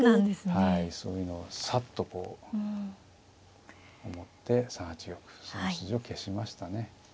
はいそういうのをサッとこう思って３八玉その筋を消しましたね。